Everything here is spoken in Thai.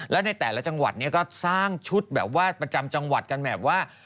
และในแต่ละจังหวัดเนี่ยก็สร้างชุดแบบว่าประจำจังหวัดกันแบบว่า